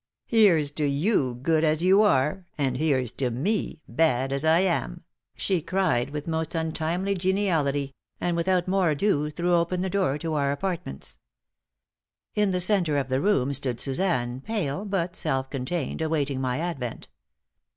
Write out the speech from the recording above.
"Here's to you, good as you are, and here's to me, bad as I am!" she cried, with most untimely geniality, and, without more ado, threw open the door to our apartments. In the center of the room stood Suzanne, pale but self contained, awaiting my advent.